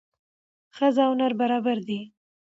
ښځه او نر برابر دي